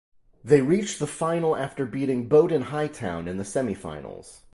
They reached the final after beating Bowden Hightown in the Semi Finals.